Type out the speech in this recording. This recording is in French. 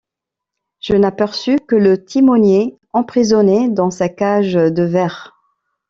Je n’aperçus que le timonier, emprisonné dans sa cage de verre.